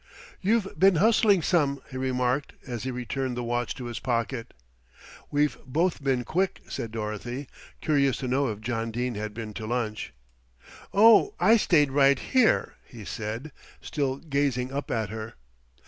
"You've been hustling some," he remarked, as he returned the watch to his pocket. "We've both been quick," said Dorothy, curious to know if John Dene had been to lunch. "Oh, I stayed right here," he said, still gazing up at her.